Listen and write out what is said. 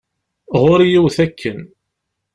Ɣur-i yiwet akken.